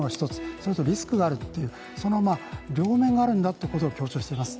それとリスクがある、その両面があるということを強調しています。